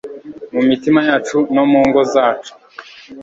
mu mitima yacu no mu ngo zacu